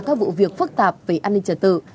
các vụ việc phức tạp về an ninh trật tự